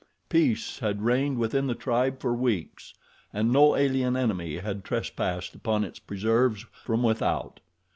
Peace had reigned within the tribe for weeks and no alien enemy had trespassed upon its preserves from without.